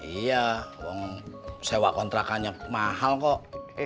iya uang sewa kontrakannya mahal kok